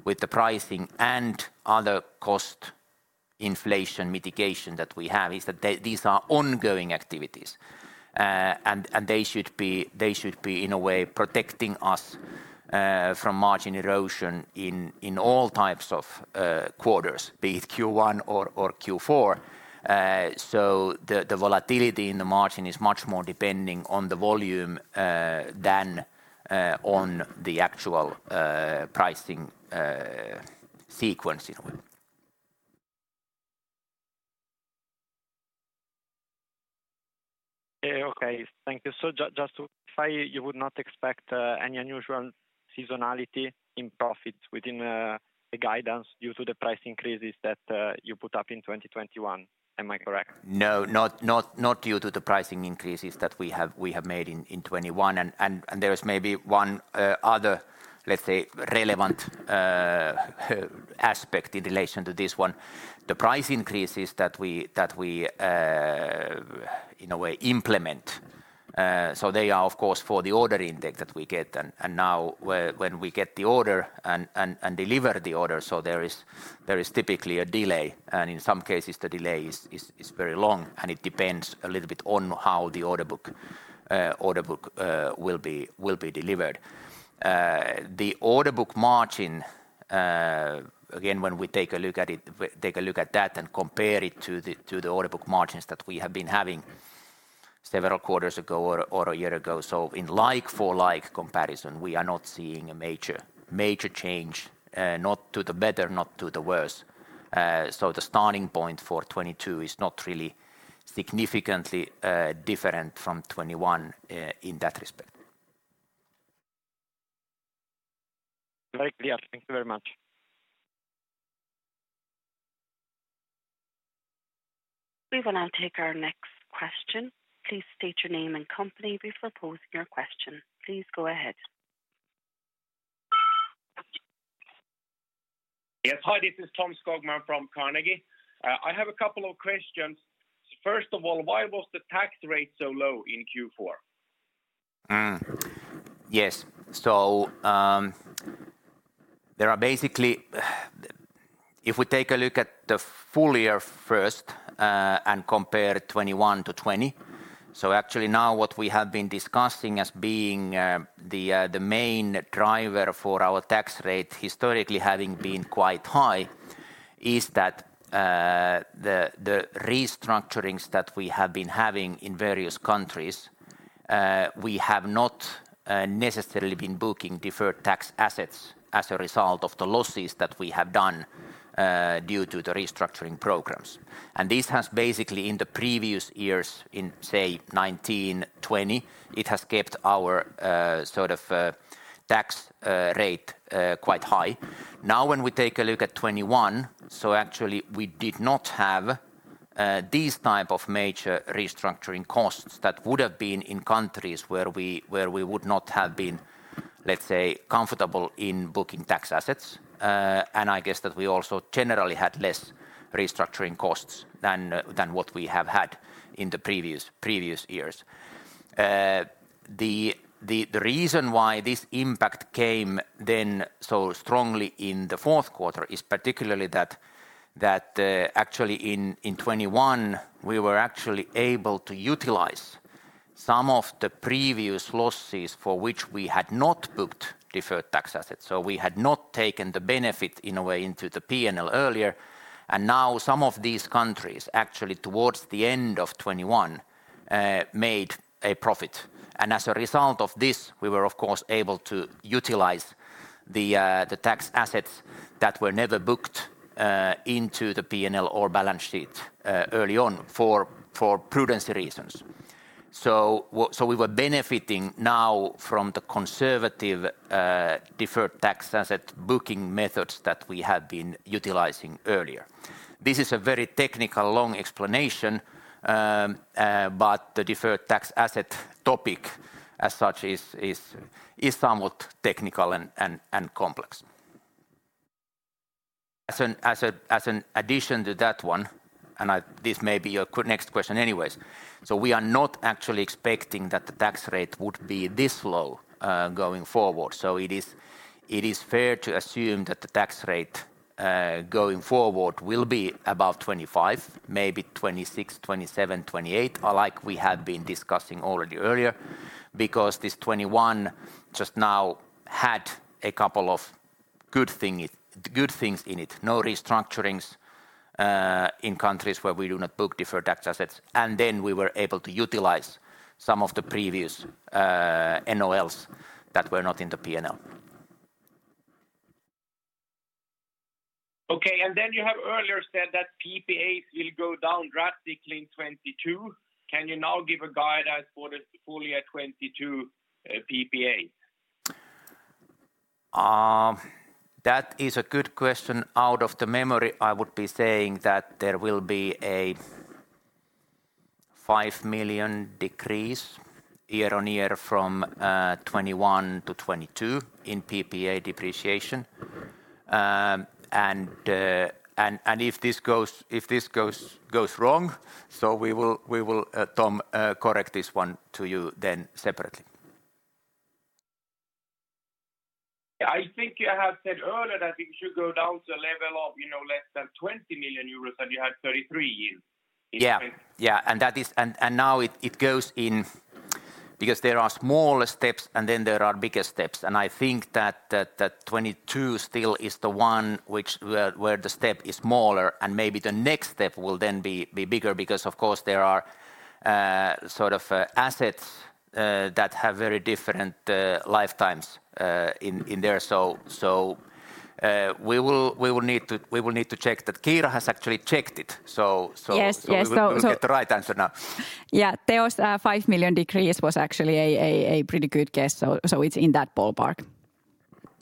with the pricing and other cost inflation mitigation that we have is that these are ongoing activities. They should be in a way protecting us from margin erosion in all types of quarters, be it Q1 or Q4. The volatility in the margin is much more depending on the volume than on the actual pricing sequence, you know. Yeah. Okay. Thank you. Just to clarify, you would not expect any unusual seasonality in profits within the guidance due to the price increases that you put up in 2021. Am I correct? No, not due to the pricing increases that we have made in 2021. There is maybe one other, let's say, relevant aspect in relation to this one. The price increases that we in a way implement, so they are of course for the order intake that we get and now when we get the order and deliver the order, so there is typically a delay, and in some cases the delay is very long, and it depends a little bit on how the order book will be delivered. The order book margin, again, when we take a look at it, take a look at that and compare it to the order book margins that we have been having several quarters ago or a year ago. In like for like comparison, we are not seeing a major change, not to the better, not to the worse. The starting point for 2022 is not really significantly different from 2021, in that respect. Very clear. Thank you very much. We will now take our next question. Please state your name and company before posing your question. Please go ahead. Yes. Hi, this is Tom Skogman from Carnegie. I have a couple of questions. First of all, why was the tax rate so low in Q4? Yes. If we take a look at the full year first and compare 2021 to 2020. Actually now what we have been discussing as being the main driver for our tax rate historically having been quite high is that the restructurings that we have been having in various countries we have not necessarily been booking deferred tax assets as a result of the losses that we have done due to the restructuring programs. This has basically in the previous years, in say, 2019, 2020, it has kept our sort of tax rate quite high. Now, when we take a look at 2021, actually we did not have these type of major restructuring costs that would have been in countries where we would not have been, let's say, comfortable in booking tax assets. I guess that we also generally had less restructuring costs than what we have had in the previous years. The reason why this impact came then so strongly in the fourth quarter is particularly that actually in 2021, we were actually able to utilize some of the previous losses for which we had not booked deferred tax assets. We had not taken the benefit in a way into the P&L earlier, and now some of these countries actually towards the end of 2021 made a profit. As a result of this, we were of course able to utilize the tax assets that were never booked into the P&L or balance sheet early on for prudence reasons. We were benefiting now from the conservative deferred tax asset booking methods that we had been utilizing earlier. This is a very technical long explanation, but the deferred tax asset topic as such is somewhat technical and complex. As an addition to that one. This may be your next question anyways. We are not actually expecting that the tax rate would be this low going forward. It is fair to assume that the tax rate going forward will be about 25%, maybe 26%, 27%, 28%, or like we had been discussing already earlier, because this 2021 just now had a couple of good things in it. No restructurings in countries where we do not book deferred tax assets, and then we were able to utilize some of the previous NOLs that were not in the P&L. Okay. Then you have earlier said that PPAs will go down drastically in 2022. Can you now give a guide as for the full year 2022, PPAs? That is a good question. Out of the memory, I would be saying that there will be a 5 million decrease year-on-year from 2021 to 2022 in PPA depreciation. If this goes wrong, we will Tom correct this one to you then separately. I think you have said earlier that it should go down to a level of, you know, less than 20 million euros, and you had 33 years. Now it goes in. Because there are smaller steps, and then there are bigger steps. I think that 2022 still is the one where the step is smaller, and maybe the next step will then be bigger, because of course there are sort of assets that have very different lifetimes in there. We will need to check that Kiira has actually checked it. Yes. We will get the right answer now. Yeah. Teo Ottola's 5 million decrease was actually a pretty good guess. It's in that ballpark.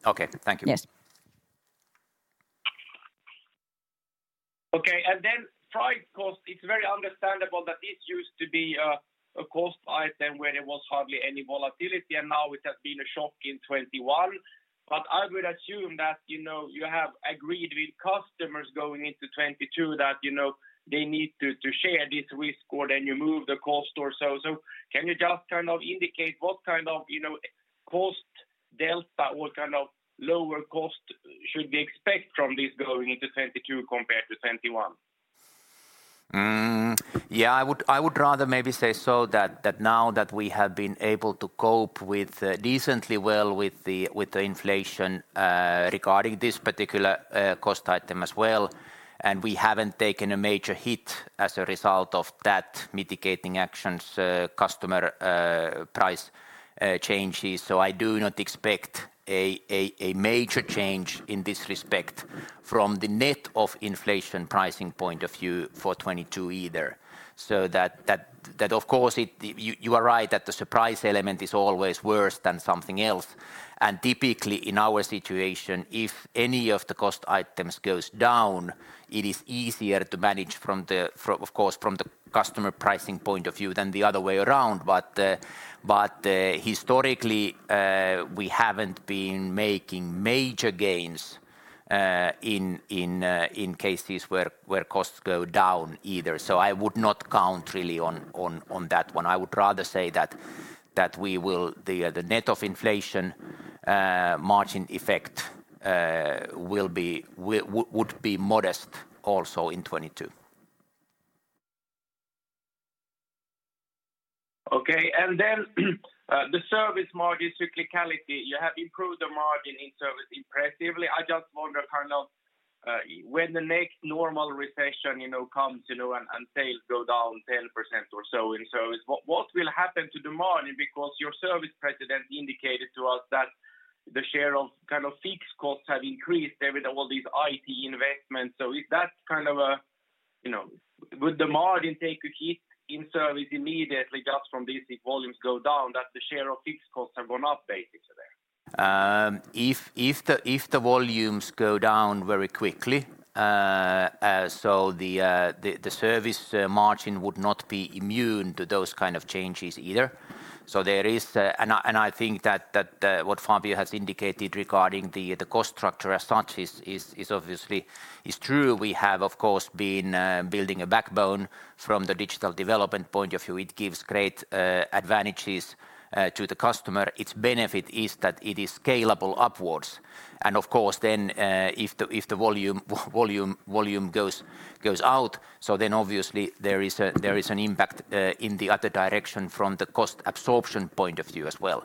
Okay. Thank you. Yes. Okay. Price cost, it's very understandable that this used to be a cost item where there was hardly any volatility, and now it has been a shock in 2021. I would assume that, you know, you have agreed with customers going into 2022 that, you know, they need to share this risk, or then you move the cost or so. Can you just kind of indicate what kind of, you know, cost delta, what kind of lower cost should we expect from this going into 2022 compared to 2021? I would rather maybe say so that now that we have been able to cope with decently well with the inflation regarding this particular cost item as well, and we haven't taken a major hit as a result of that mitigating actions customer price changes. I do not expect a major change in this respect from the net of inflation pricing point of view for 2022 either. That, of course, it—you are right that the surprise element is always worse than something else. Typically in our situation, if any of the cost items goes down, it is easier to manage, of course, from the customer pricing point of view than the other way around. Historically, we haven't been making major gains in cases where costs go down either. I would not count really on that one. I would rather say that the net of inflation margin effect would be modest also in 2022. Okay. The service margin cyclicality, you have improved the margin in service impressively. I just wonder kind of when the next normal recession, you know, comes, you know, and sales go down 10% or so. What will happen to the margin? Because your service president indicated to us that the share of kind of fixed costs have increased with all these IT investments. Is that kind of a, you know, would the margin take a hit in service immediately just from this, if volumes go down, that the share of fixed costs have gone up basically? If the volumes go down very quickly, the service margin would not be immune to those kind of changes either. I think that what Fabio has indicated regarding the cost structure as such is obviously true. We have, of course, been building a backbone from the digital development point of view. It gives great advantages to the customer. Its benefit is that it is scalable upwards. Of course then, if the volume goes out, there is an impact in the other direction from the cost absorption point of view as well.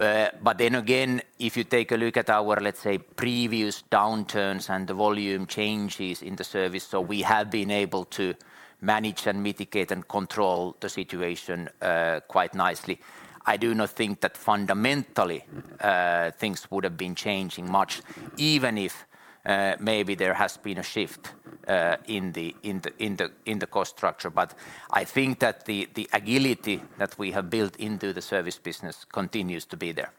If you take a look at our, let's say, previous downturns and the volume changes in the service, so we have been able to manage and mitigate and control the situation, quite nicely. I do not think that fundamentally, things would have been changing much, even if, maybe there has been a shift, in the cost structure. I think that the agility that we have built into the service business continues to be there.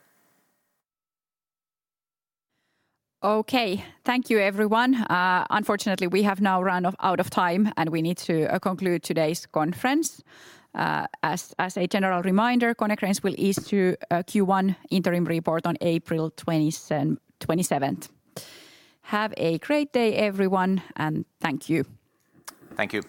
Okay. Thank you, everyone. Unfortunately we have now run out of time, and we need to conclude today's conference. As a general reminder, Konecranes will issue a Q1 interim report on April 27th. Have a great day, everyone, and thank you. Thank you.